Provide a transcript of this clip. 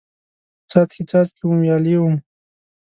څاڅکي، څاڅکي وم، ویالې وم